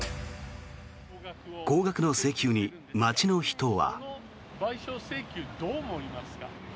高額の請求に、街の人は。